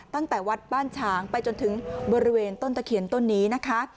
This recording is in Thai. ตั้งแต่วัดบ้านฉางไปจนถึงบริเวณต้นตะเคียนต้นนี้นะคะ